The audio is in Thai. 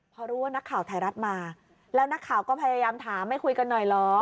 พอรู้ว่านักข่าวไทยรัฐมาแล้วนักข่าวก็พยายามถามไม่คุยกันหน่อยเหรอ